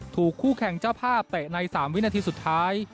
คู่แข่งเจ้าภาพเตะใน๓วินาทีสุดท้าย